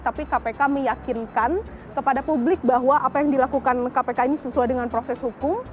tapi kpk meyakinkan kepada publik bahwa apa yang dilakukan kpk ini sesuai dengan proses hukum